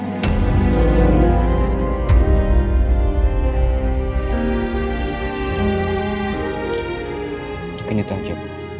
mungkin itu aja